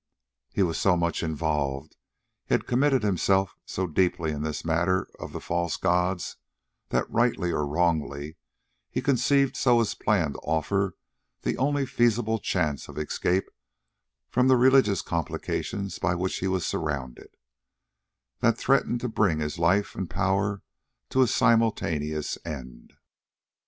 He was so much involved, he had committed himself so deeply in this matter of the false gods, that, rightly or wrongly, he conceived Soa's plan to offer the only feasible chance of escape from the religious complications by which he was surrounded, that threatened to bring his life and power to a simultaneous end.